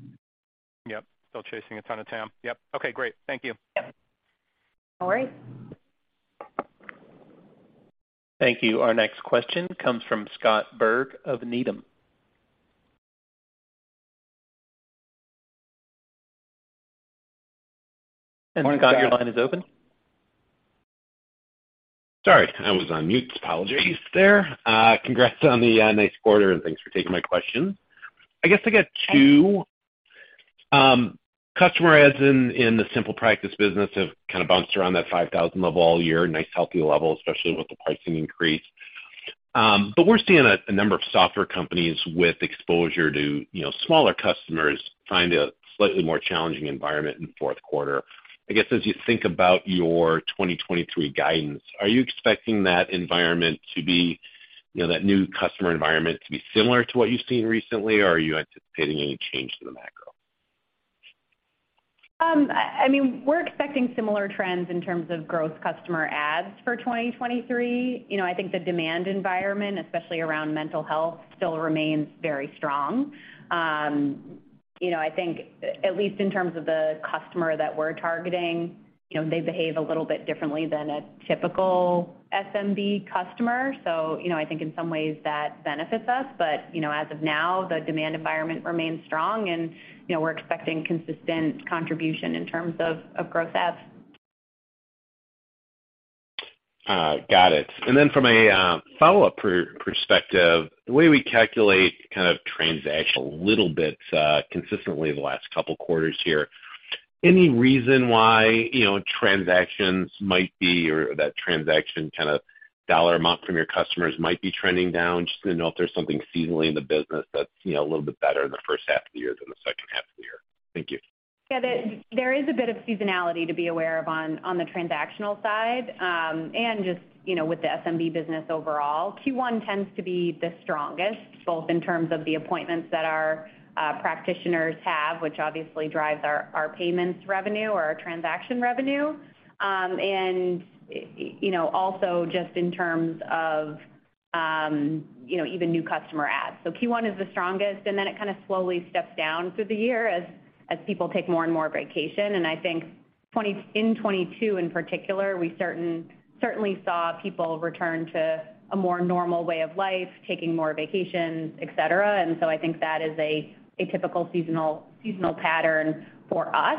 Yep. Still chasing a ton of TAM. Yep. Okay, great. Thank you. Yep. No worries. Thank you. Our next question comes from Scott Berg of Needham. Scott, your line is open. Sorry, I was on mute. Apologies there. Congrats on the nice quarter. Thanks for taking my question. I guess I got two. Customer adds in the SimplePractice business have kind of bounced around that 5,000 level all year, nice healthy level, especially with the pricing increase. We're seeing a number of software companies with exposure to, you know, smaller customers find a slightly more challenging environment in fourth quarter. I guess, as you think about your 2023 guidance, are you expecting that environment to be, you know, that new customer environment to be similar to what you've seen recently, or are you anticipating any change to the macro? I mean, we're expecting similar trends in terms of growth customer adds for 2023. You know, I think the demand environment, especially around mental health, still remains very strong. You know, I think at least in terms of the customer that we're targeting, you know, they behave a little bit differently than a typical SMB customer. You know, I think in some ways that benefits us. You know, as of now, the demand environment remains strong and, you know, we're expecting consistent contribution in terms of growth adds. Got it. From a follow-up perspective, the way we calculate kind of transactional little bits consistently in the last couple quarters here, any reason why, you know, transactions might be or that transaction kind of dollar amount from your customers might be trending down? Just wanna know if there's something seasonally in the business that's, you know, a little bit better in the first half of the year than the second half of the year. Thank you. Yeah. There, there is a bit of seasonality to be aware of on the transactional side, and just, you know, with the SMB business overall. Q1 tends to be the strongest, both in terms of the appointments that our practitioners have, which obviously drives our payments revenue or our transaction revenue, you know, also just, you know, even new customer adds. Q1 is the strongest, and then it kind of slowly steps down through the year as people take more and more vacation. I think in 2022 in particular, we certainly saw people return to a more normal way of life, taking more vacations, et cetera. I think that is a typical seasonal pattern for us.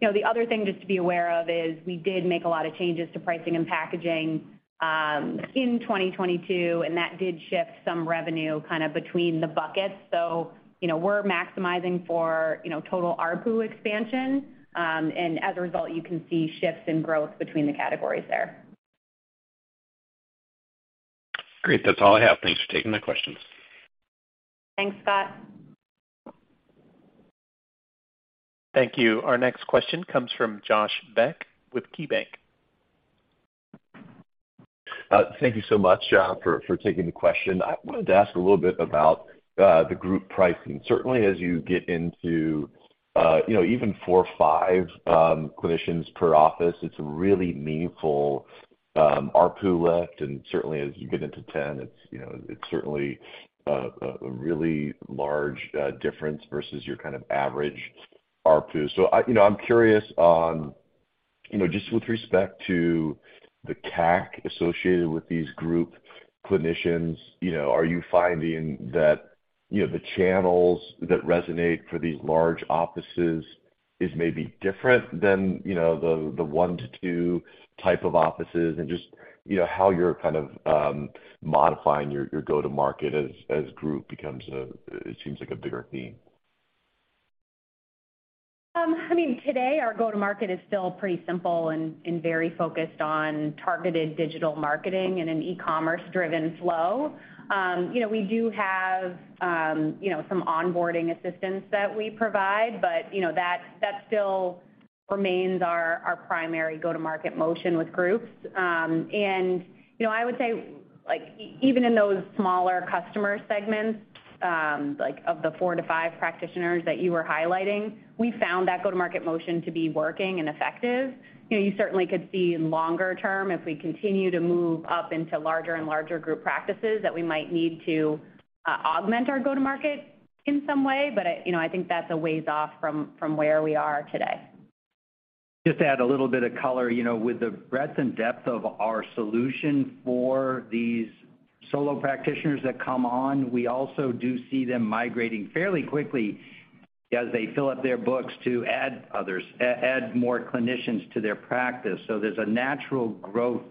You know, the other thing just to be aware of is we did make a lot of changes to pricing and packaging in 2022. That did shift some revenue kind of between the buckets. You know, we're maximizing for, you know, total ARPU expansion. As a result, you can see shifts in growth between the categories there. Great. That's all I have. Thanks for taking the questions. Thanks, Scott. Thank you. Our next question comes from Josh Beck with KeyBanc Capital Markets. Thank you so much for taking the question. I wanted to ask a little bit about the group pricing. Certainly, as you get into, you know, even four or five clinicians per office, it's a really meaningful ARPU lift. Certainly as you get into 10, it's, you know, it's certainly a really large difference versus your kind of average ARPU. I, you know, I'm curious on, you know, just with respect to the CAC associated with these group clinicians, you know, are you finding that, you know, the channels that resonate for these large offices is maybe different than, you know, the one to two type of offices? Just, you know, how you're kind of modifying your go-to market as group becomes a bigger theme? I mean, today our go-to-market is still pretty simple and very focused on targeted digital marketing and an e-commerce driven flow. You know, we do have, you know, some onboarding assistance that we provide, but you know, that still remains our primary go-to-market motion with groups. You know, I would say, like even in those smaller customer segments, like of the four to five practitioners that you were highlighting, we found that go-to-market motion to be working and effective. You know, you certainly could see longer term if we continue to move up into larger and larger group practices that we might need to augment our go-to-market in some way. I, you know, I think that's a ways off from where we are today. Just to add a little bit of color, you know, with the breadth and depth of our solution for these solo practitioners that come on, we also do see them migrating fairly quickly as they fill up their books to add others, add more clinicians to their practice. There's a natural growth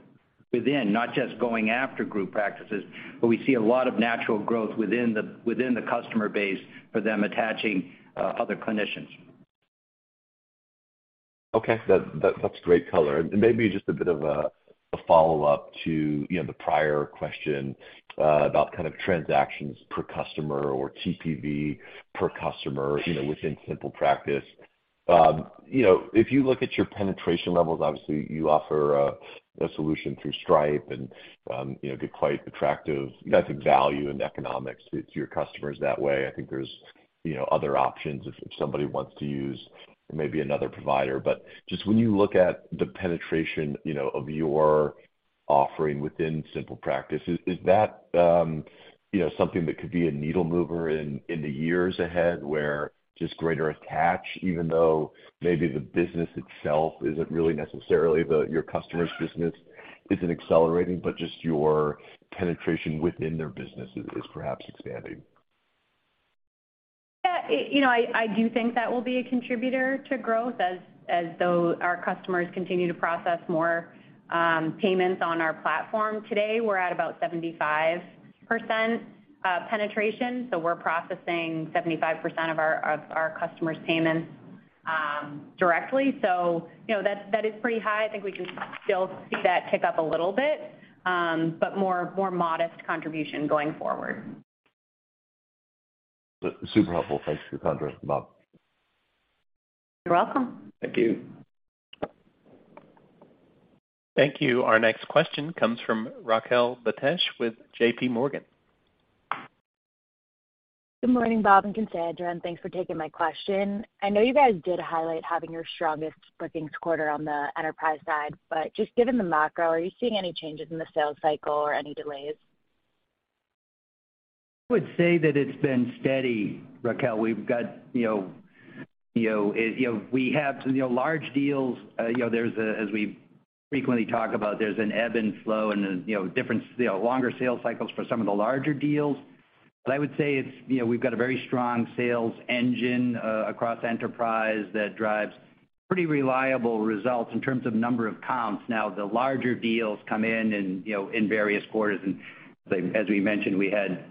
within, not just going after group practices, but we see a lot of natural growth within the customer base for them attaching, other clinicians. Okay. That's great color. Maybe just a bit of a follow-up to, you know, the prior question about kind of Transactions Per Customer or TPV per customer, you know, within SimplePractice. You know, if you look at your penetration levels, obviously you offer a solution through Stripe and, you know, get quite attractive, I think, value and economics to your customers that way. There's, you know, other options if somebody wants to use maybe another provider. Just when you look at the penetration, you know, of your offering within SimplePractice, is that, you know, something that could be a needle mover in the years ahead where just greater attach, even though maybe the business itself isn't really necessarily your customer's business isn't accelerating, but just your penetration within their business is perhaps expanding? Yeah, you know, I do think that will be a contributor to growth as though our customers continue to process more payments on our platform. Today, we're at about 75% penetration, so we're processing 75% of our customers' payments directly. You know, that is pretty high. I think we can still see that tick up a little bit, but more modest contribution going forward. Super helpful. Thanks for your context, Bob. You're welcome. Thank you. Thank you. Our next question comes from Raquel Betesh with JPMorgan. Good morning, Bob and Cassandra, and thanks for taking my question. I know you guys did highlight having your strongest bookings quarter on the enterprise side, but just given the macro, are you seeing any changes in the sales cycle or any delays? I would say that it's been steady, Raquel. We've got, you know, you know, we have, you know, large deals. As we frequently talk about, there's an ebb and flow and a, you know, longer sales cycles for some of the larger deals. I would say it's, you know, we've got a very strong sales engine across enterprise that drives pretty reliable results in terms of number of comps. Now, the larger deals come in, you know, in various quarters, and as we mentioned, we had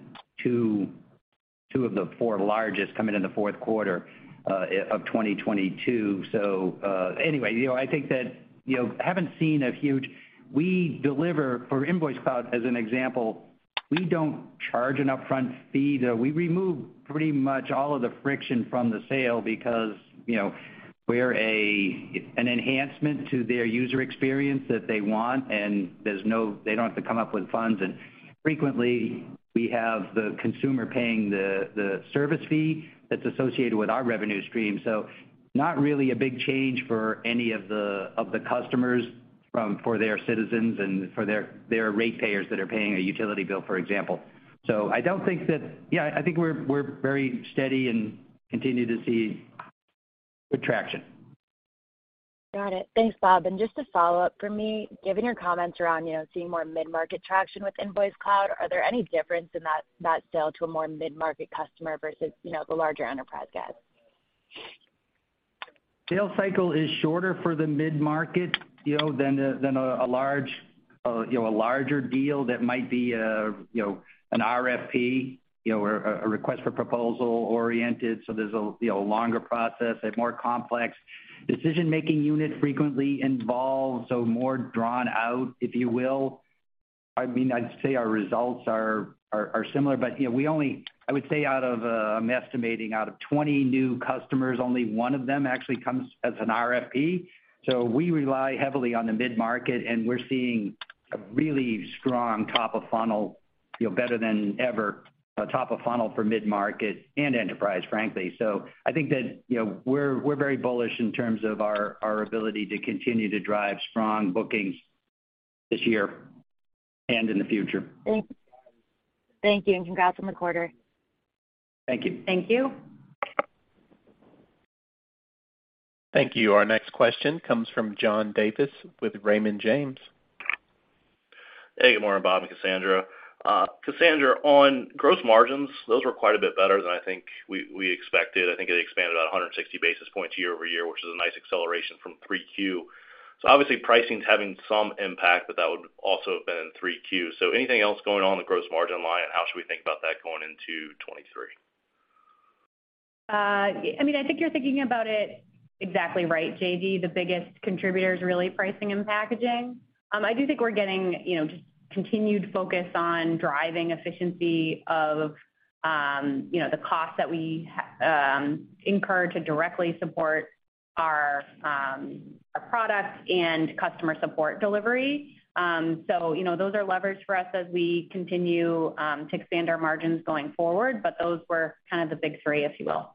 two of the four largest coming in the fourth quarter of 2022. Anyway, you know, I think that, you know, haven't seen a huge. We deliver for InvoiceCloud as an example, we don't charge an upfront fee. We remove pretty much all of the friction from the sale because, you know, we're an enhancement to their user experience that they want, and there's no they don't have to come up with funds. Frequently We have the consumer paying the service fee that's associated with our revenue stream. Not really a big change for any of the customers, for their citizens and for their rate payers that are paying a utility bill, for example. I don't think that. Yeah, I think we're very steady and continue to see good traction. Got it. Thanks, Bob. Just a follow-up from me. Given your comments around, you know, seeing more mid-market traction with InvoiceCloud, are there any difference in that sale to a more mid-market customer versus, you know, the larger enterprise guys? Sale cycle is shorter for the mid-market, you know, than a, than a large, you know, a larger deal that might be a, you know, an RFP, you know, or a request for proposal-oriented, so there's a, you know, longer process. A more complex decision-making unit frequently involved, so more drawn out, if you will. I mean, I'd say our results are similar, but, you know, I would say out of, I'm estimating out of 20 new customers, only one of them actually comes as an RFP. We rely heavily on the mid-market, and we're seeing a really strong top of funnel, you know, better than ever, top of funnel for mid-market and enterprise, frankly. I think that, you know, we're very bullish in terms of our ability to continue to drive strong bookings this year and in the future. Thank you. Thank you, and congrats on the quarter. Thank you. Thank you. Thank you. Our next question comes from John Davis with Raymond James. Hey, good morning, Bob and Cassandra. Cassandra, on gross margins, those were quite a bit better than I think we expected. I think it expanded about 160 basis points year-over-year, which is a nice acceleration from 3Q. Obviously pricing is having some impact, but that would also have been in 3Q. Anything else going on in the gross margin line, and how should we think about that going into 2023? I mean, I think you're thinking about it exactly right, JD. The biggest contributor is really pricing and packaging. I do think we're getting, you know, just continued focus on driving efficiency of, you know, the costs that we incur to directly support our products and customer support delivery. You know, those are levers for us as we continue to expand our margins going forward, but those were kind of the big three, if you will.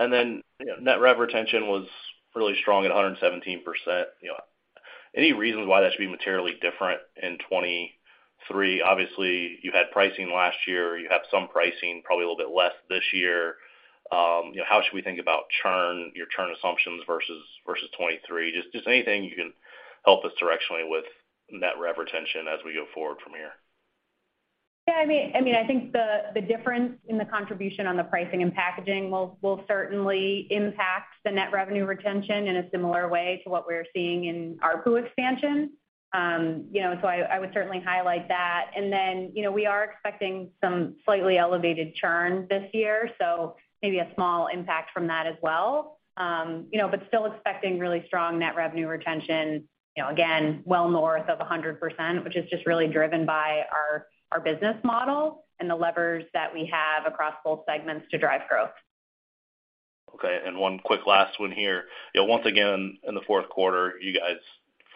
Net rev retention was really strong at 117%, you know. Any reasons why that should be materially different in 2023? You had pricing last year. You have some pricing, probably a little bit less this year. You know, how should we think about churn, your churn assumptions versus 2023? Just anything you can help us directionally with net rev retention as we go forward from here. Yeah, I mean, I think the difference in the contribution on the pricing and packaging will certainly impact the net revenue retention in a similar way to what we're seeing in ARPU expansion. You know, so I would certainly highlight that. Then, you know, we are expecting some slightly elevated churn this year, so maybe a small impact from that as well. You know, still expecting really strong net revenue retention, you know, again, well north of 100%, which is just really driven by our business model and the levers that we have across both segments to drive growth. One quick last one here. You know, once again, in the fourth quarter, you guys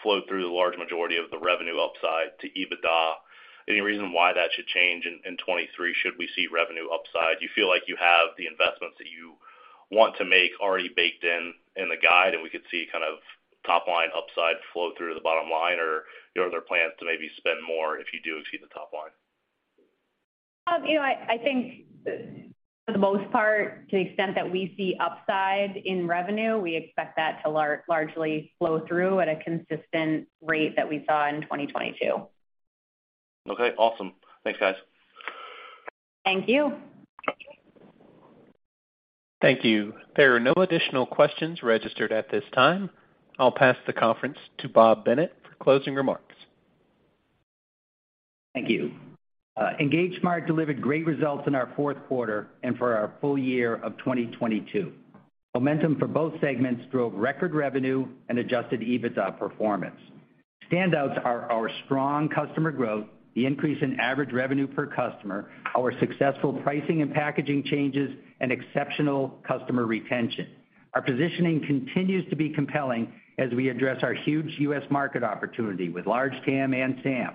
flowed through the large majority of the revenue upside to EBITDA. Any reason why that should change in 2023 should we see revenue upside? Do you feel like you have the investments that you want to make already baked in in the guide, and we could see kind of top line upside flow through to the bottom line? You know, are there plans to maybe spend more if you do exceed the top line? You know, I think for the most part, to the extent that we see upside in revenue, we expect that to largely flow through at a consistent rate that we saw in 2022. Okay, awesome. Thanks, guys. Thank you. Thank you. There are no additional questions registered at this time. I'll pass the conference to Bob Bennett for closing remarks. Thank you. EngageSmart delivered great results in our fourth quarter and for our full year of 2022. Momentum for both segments drove record revenue and Adjusted EBITDA performance. Standouts are our strong customer growth, the increase in average revenue per customer, our successful pricing and packaging changes, and exceptional customer retention. Our positioning continues to be compelling as we address our huge U.S. market opportunity with large TAM and SAM.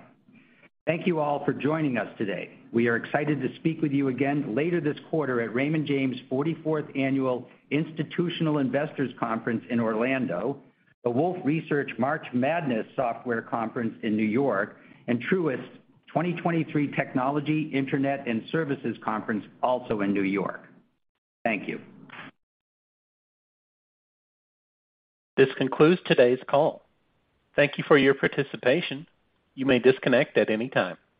Thank you all for joining us today. We are excited to speak with you again later this quarter at Raymond James 44th Annual Institutional Investors Conference in Orlando, the Wolfe Research March Madness Software Conference in New York, and Truist's 2023 Technology, Internet, and Services Conference also in New York. Thank you. This concludes today's call. Thank you for your participation. You may disconnect at any time.